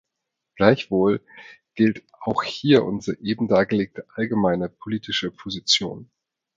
Gleichwohl gilt auch hier unsere eben dargelegte allgemeine politische Position.